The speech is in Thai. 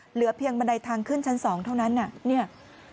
เหลือเพียงบันไดทางขึ้นชั้น๒เท่านั้นเนี่ย